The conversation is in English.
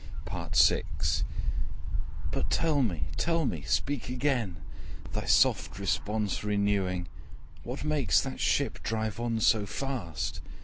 Part VI First Voice "'But tell me, tell me! speak again, Thy soft response renewing What makes that ship drive on so fast?